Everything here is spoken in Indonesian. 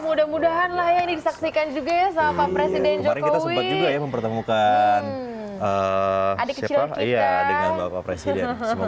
mudah mudahan layani disaksikan juga ya sama presiden jokowi mempertemukan adik kecil dengan